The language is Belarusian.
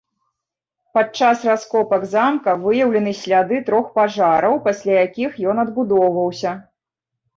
Падчас раскопак замка выяўлены сляды трох пажараў, пасля якіх ён адбудоўваўся.